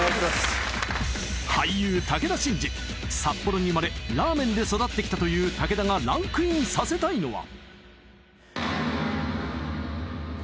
俳優武田真治札幌に生まれラーメンで育ってきたという武田がランクインさせたいのは？